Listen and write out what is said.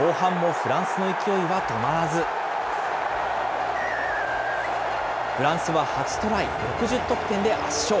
フランスは８トライ６０得点で圧勝。